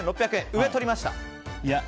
上をとりました。